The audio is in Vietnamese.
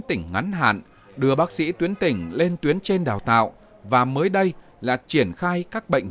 tỉnh ngắn hạn đưa bác sĩ tuyến tỉnh lên tuyến trên đào tạo và mới đây là triển khai các bệnh